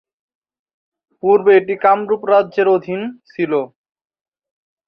পূর্বে এটি কামরুপ রাজ্যের অধীন ছিল।